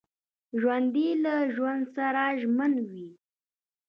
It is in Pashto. ژوندي له ژوند سره ژمن وي